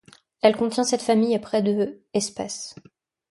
Elle contient sept familles et près de espèces.